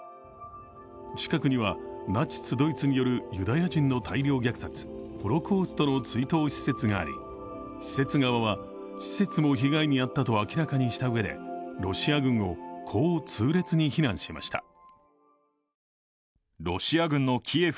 近くにはナチス・ドイツによるユダヤ人の大量虐殺、ホロコーストの追悼施設があり施設側は施設も被害に遭ったと明らかにしたうえでロシア軍をこう痛烈に非難しました。